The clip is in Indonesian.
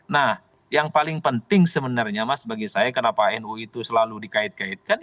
nah yang paling penting sebenarnya mas bagi saya kenapa nu itu selalu dikait kaitkan